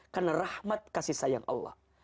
karena rahmat kasih sayang allah